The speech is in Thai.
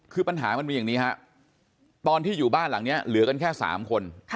คือปัญหามันมีอย่างนี้ฮะตอนที่อยู่บ้านหลังนี้เหลือกันแค่๓คน